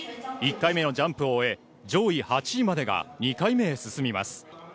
１回目のジャンプを終え、上位８位までが２回目へ進みます。